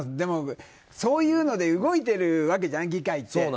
そういうので動いているわけじゃん議会って。